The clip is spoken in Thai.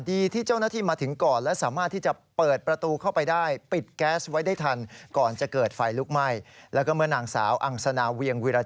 ดีที่เจ้าหน้าที่มาถึงก่อนและสามารถที่จะเปิดประตูเข้าไปได้